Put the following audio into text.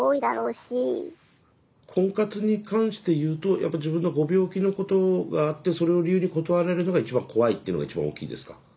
婚活に関して言うとやっぱり自分のご病気のことがあってそれを理由に断られるのが一番怖いっていうのが一番大きいですか？